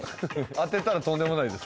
当てたらとんでもないです